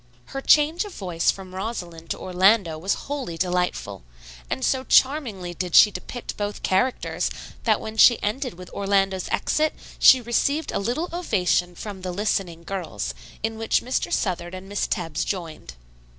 Her change of voice from Rosalind to Orlando was wholly delightful, and so charmingly did she depict both characters that when she ended with Orlando's exit she received a little ovation from the listening girls, in which Mr. Southard and Miss Tebbs joined.